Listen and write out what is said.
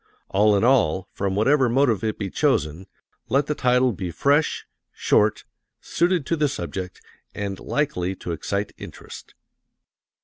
All in all, from whatever motive it be chosen, let the title be fresh, short, suited to the subject, and likely to excite interest.